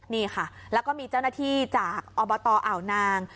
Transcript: นี่ค่ะแล้วก็มีเจ้าหน้าที่จากอบตอ่าวนาง